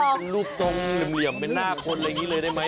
เป็นรูปทรงเหลี่ยมเป็นหน้าคนอะไรอย่างนี้เลยได้ไหม